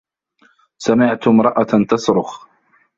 سمعت امرأة تصرخ.